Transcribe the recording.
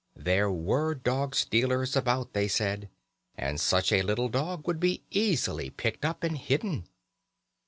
There were dog stealers about, they said, and such a little dog would be easily picked up and hidden.